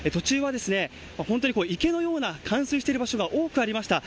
途中は池のように冠水してる場所が多くありました。